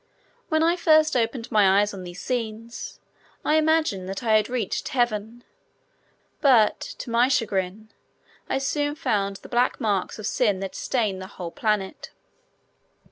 When I first opened my eyes on these scenes, I imagined that I had reached Heaven, but, to my chagrin, I soon found the black marks of sin that stain the whole planet.